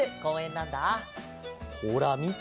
ほらみて！